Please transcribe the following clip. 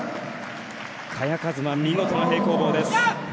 萱和磨、見事な平行棒です。